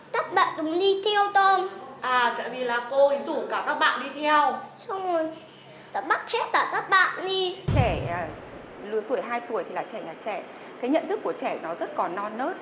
cái nhận thức của trẻ nó rất còn non nớt